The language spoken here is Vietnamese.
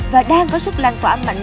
và đang có sức lan tỏa mạnh mẽ tại việt nam